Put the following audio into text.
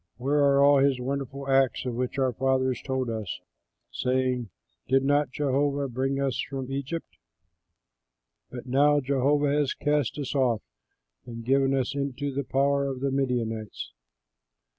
Where are all his wonderful acts of which our fathers told us, saying, 'Did not Jehovah bring us from Egypt?' But now Jehovah has cast us off and given us into the power of the Midianites."